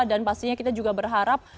pastinya kita juga berharap